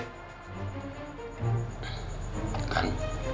kamu juga ingat gue